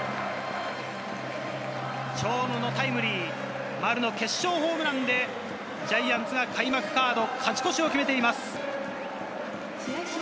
長野のタイムリー、丸の決勝ホームランで、ジャイアンツが開幕カード勝ち越しを決めています。